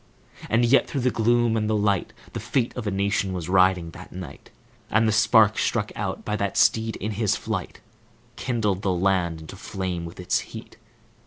And yet, through the gloom and the light, The fate of a nation was riding that night; And the spark struck out by that steed, in his flight, Kindled the land into flame with its heat.